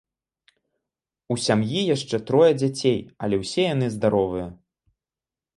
У сям'і яшчэ трое дзяцей, але ўсе яны здаровыя.